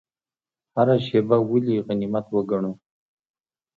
هره شیبه ولې غنیمت وګڼو؟